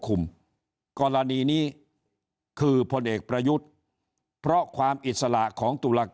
คุมกลณีนี้คือพลเอกประยุทธ์เพราะความอิสละของตุ